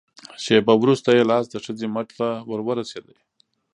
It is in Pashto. شېبه وروسته يې لاس د ښځې مټ ته ور ورسېد.